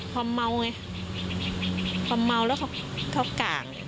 ความเมาเราก็ก้าง